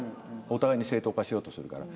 お互いに正当化しようとするから。